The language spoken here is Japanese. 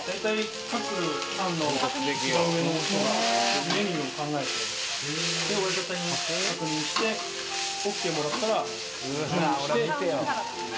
各班の一番上の人がメニューを考えて親方に確認して、ＯＫもらったら準備して。